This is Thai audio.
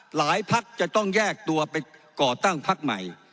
หลายภักษ์จะต้องแยกตัวไปก่อตั้งภักษ์ใหม่